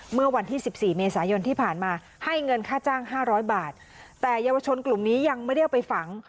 เมื่อวันที่สิบสี่เมษายนที่ผ่านมาให้เงินค่าจ้างห้าร้อยบาทแต่เยาวชนกลุ่มนี้ยังไม่ได้เอาไปฝัง